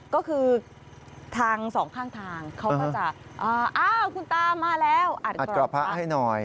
ก็คือทางสองข้างทางเขาก็จะอ้าวคุณตามาแล้วอัดกระพะให้หน่อย